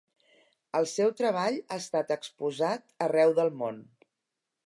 El seu treball ha estat exposat arreu del món.